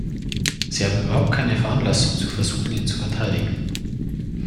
Sie haben überhaupt keine Veranlassung zu versuchen, ihn zu verteidigen.